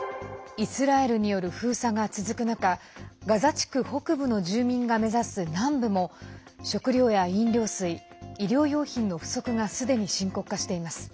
イスラエルによる封鎖が続く中ガザ地区北部の住民が目指す南部も食料や飲料水、医療用品の不足がすでに深刻化しています。